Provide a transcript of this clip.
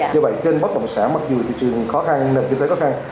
do vậy trên bất động sản mặc dù thị trường khó khăn